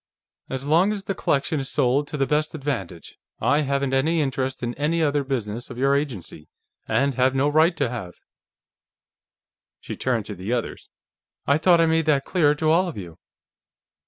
"As long as the collection is sold to the best advantage, I haven't any interest in any other business of your agency, and have no right to have." She turned to the others. "I thought I made that clear to all of you."